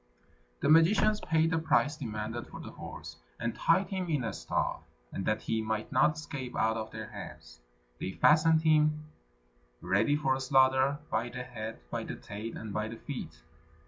The magicians paid the price demanded for the horse, and tied him in a stall; and that he might not escape out of their hands, they fastened him, ready for slaughter, by the head, by the tail, and by the feet.